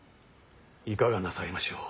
いかがなさいましょう。